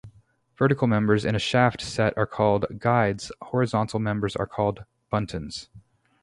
Vertical members in a shaft set are called Guides, horizontal members are called Buntons.